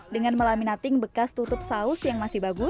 dengan melaminating bekas tutup saus yang masih bagus